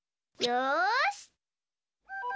よし。